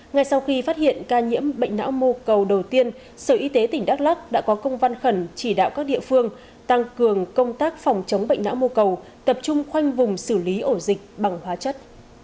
ngay sau khi phát hiện ca nhiễm bệnh não mô cầu đầu tiên sở y tế tỉnh đắk lắc đã có công văn khẩn chỉ đạo các địa phương tăng cường công tác phòng chống bệnh não mô cầu tập trung khoanh vùng xử lý ổ dịch bằng hóa chất